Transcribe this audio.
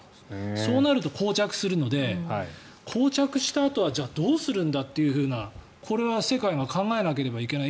そうなると、こう着するのでこう着したあとはじゃあ、どうするんだというこれは世界が考えなければいけない